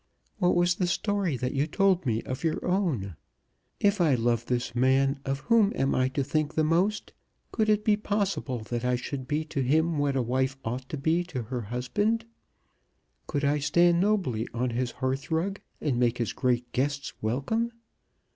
What was the story that you told me of your own? If I love this man, of whom am I to think the most? Could it be possible that I should be to him what a wife ought to be to her husband? Could I stand nobly on his hearth rug, and make his great guests welcome?